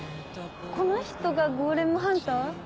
この人がゴーレムハンター？